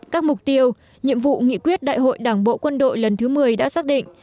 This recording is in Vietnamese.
các mục tiêu nhiệm vụ nghị quyết đại hội đảng bộ quân đội lần thứ một mươi đã xác định